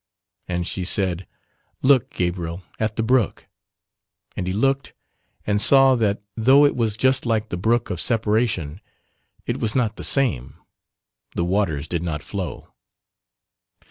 And she said, "Look Gabriel at the brook." And he looked and saw that though it was just like the brook of separation it was not the same, the waters did not flow.